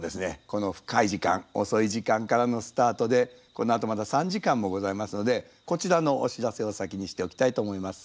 この深い時間遅い時間からのスタートでこのあとまだ３時間もございますのでこちらのお知らせを先にしておきたいと思います。